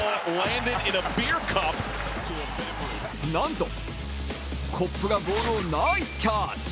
なんとコップがボールをナイスキャッチ。